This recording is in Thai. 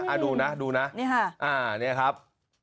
อ่าดูนะดูนะนี่ค่ะอ่านี่แหละครับ